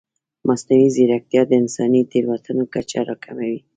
مصنوعي ځیرکتیا د انساني تېروتنو کچه راکموي.